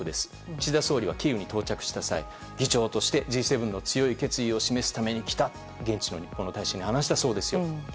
岸田総理はキーウに到着した際議長としてＧ７の強い決意を示すために来たと現地の日本の大使に話したそうです。